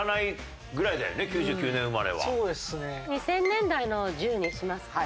２０００年代の１０にしますか。